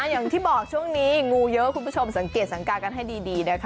อย่างที่บอกช่วงนี้งูเยอะคุณผู้ชมสังเกตสังกากันให้ดีนะคะ